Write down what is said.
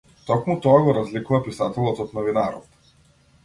Токму тоа го разликува писателот од новинарот.